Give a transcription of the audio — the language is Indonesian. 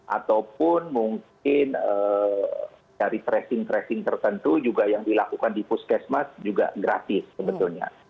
ataupun mungkin cari tracing tracing tertentu juga yang dilakukan di puskesmas juga gratis sebetulnya